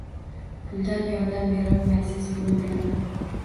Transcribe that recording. Puldan yordam berolmaysiz, buni bilaman